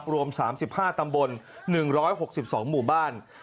รวม๓๕ตำบล๑๖๒หมู่บ้าน